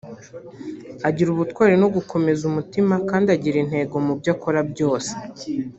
agira ubutwari no gukomeza umutima kandi agira intego mu byo akora byose